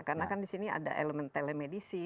karena kan di sini ada elemen telemedisi